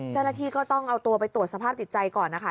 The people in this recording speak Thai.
เจ้าหน้าที่ก็ต้องเอาตัวไปตรวจสภาพจิตใจก่อนนะคะ